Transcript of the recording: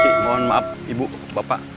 bu armisi mohon maaf ibu bapak